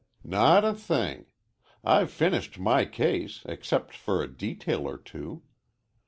"Not a thing. I've finished my case, except for a detail or two.